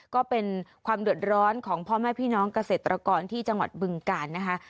ก็เป็นความเดือดร้อนของพ่อแม่พี่น้องเกษตรกรที่จังหวัดบึงกาลนะคะ